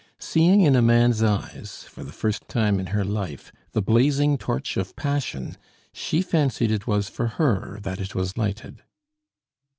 Seeing in a man's eyes, for the first time in her life, the blazing torch of passion, she fancied it was for her that it was lighted.